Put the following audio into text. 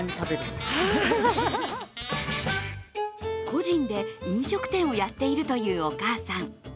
個人で飲食店をやっているというお母さん。